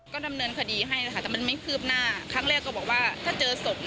เขาบอกว่ามันไม่มีหลักฐาน